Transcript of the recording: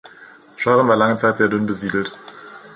Scheuren war lange Zeit sehr dünn besiedelt.